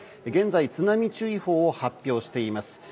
現在、津波注意報を発表しています。